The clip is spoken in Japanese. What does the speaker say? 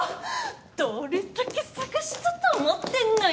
どれだけ捜したと思ってんのよ！